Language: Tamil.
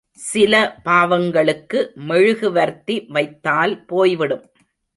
சில பாவங்களுக்கு மெழுகுவர்த்தி வைத்தால் போய் விடும்.